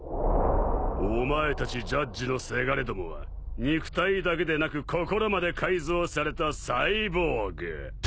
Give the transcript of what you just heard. お前たちジャッジのせがれどもは肉体だけでなく心まで改造された改造人間。